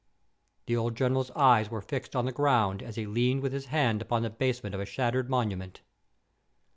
The old General's eyes were fixed on the ground, as he leaned with his hand upon the basement of a shattered monument.